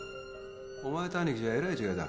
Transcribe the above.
お前とアニキじゃえらい違いだ。